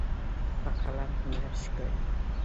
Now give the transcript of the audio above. په قلم هنر ښکاري.